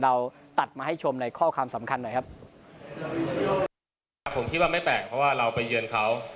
เราก็คิดว่าการกลับมาเล่นในบ้านไม่น่าจะมีปัญหา